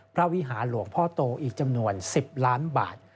วิหารหลวงพ่อโตอีกจำนวน๑๐ล้านบาท